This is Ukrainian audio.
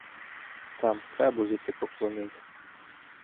Там Фебові ти поклонись